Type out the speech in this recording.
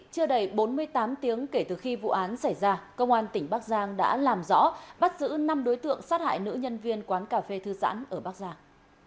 chưa đầy bốn mươi tám tiếng kể từ khi vụ án xảy ra công an tỉnh bắc giang đã làm rõ bắt giữ năm đối tượng sát hại nữ nhân viên quán cà phê thư giãn ở bắc giang